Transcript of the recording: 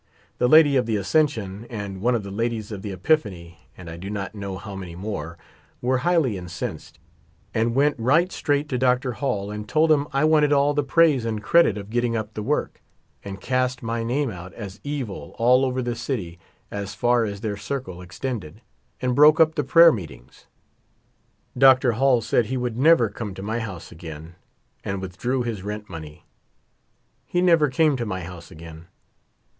The lady of the Ascen sion and one of the ladies of the Epiphany, and I do not know how many more, were highly incensed, and went ricrht straight to Dr. Hall and told him I wanted all the pr'kise and credit of getting up the work ; and cast my name out as evil all over the city as far as their circle ex tended ; and broke up the prayer meetings. Dr. Hall said he would never come to my house again, and withdrew his rent money. He never came to my house acrain.